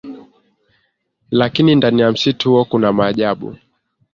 lakini ndani ya msitu huo kuna maajabu